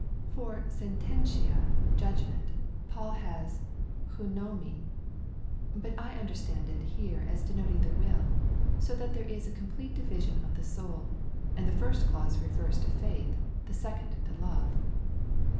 ^ For sententia (judgment) Paul has jvwfirjv : but I under stand it here as denoting the will, so that there is a complete division of the soul, and the first clause refers to faith, the second to love.